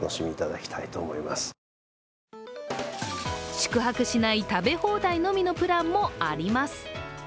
宿泊しない食べ放題のみのプランもあります。